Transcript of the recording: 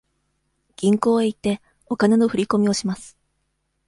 銀行へ行って、お金の振り込みをします。